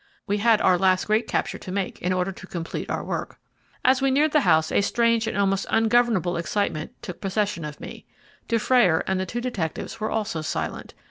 We had our last great capture to make in order to complete our work. As we neared the house a strange and almost ungovernable excitement took possession of me. Dufrayer and the two detectives were also silent.